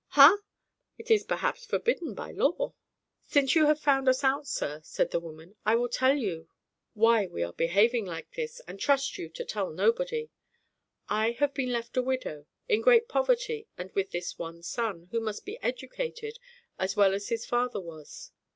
"Ha? It is perhaps forbidden by law." "Since you have found us out, sir," said the woman, "I will tell you why we are behaving like this, and trust you to tell nobody. I have been left a widow, in great poverty and with this one son, who must be educated as well as his father was.